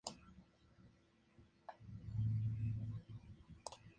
Empero, el Ministro de Defensa permaneció en Varsovia, salvándose del accidente en el proceso.